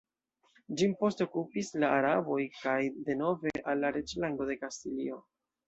Ĝin poste okupis la araboj, kaj denove al la reĝlando de Kastilio.